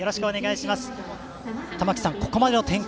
たまきさん、ここまでの展開